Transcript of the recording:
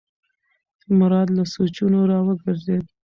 مراد له سوچونو راوګرځېد.